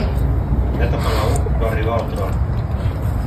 Criat a palau va arribar al tron.